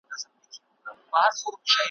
په یوه وخت کي په کعبه، په کور، جومات کي حاضر `